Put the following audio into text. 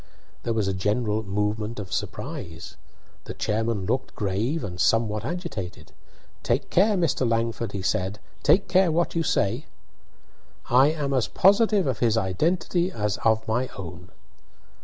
There was a general movement of surprise. The chairman looked grave and somewhat agitated. "Take care, Mr. Langford," he said; "take care what you say." "I am as positive of his identity as of my own."